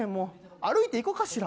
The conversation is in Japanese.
歩いて行こうかしら。